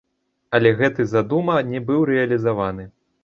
Але гэты задума не быў рэалізаваны.